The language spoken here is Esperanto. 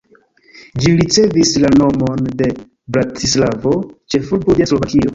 Ĝi ricevis la nomon de Bratislavo, ĉefurbo de Slovakio.